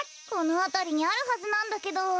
このあたりにあるはずなんだけど。